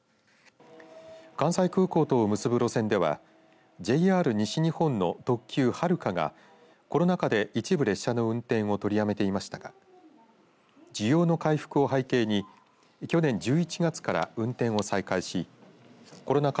関西空港とを結ぶ路線ではＪＲ西日本の特急はるかがコロナ禍で一部列車の運転を取りやめていましたが需要の回復を背景に去年１１月から運転を再開しコロナ禍